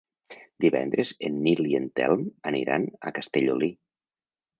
Divendres en Nil i en Telm aniran a Castellolí.